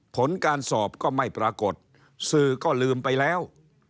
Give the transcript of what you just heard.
ผลการสอบก็ไม่ปรากฏสื่อก็ลืมไปแล้ว